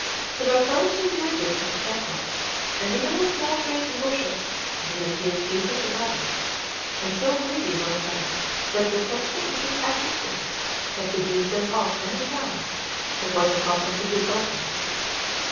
They were perched on the ridges of the temple, and even on small trees and bushes, within a few feet of the body; and so greedy were they that the sexton and his assistants had to beat them off many times before the coffin could be opened.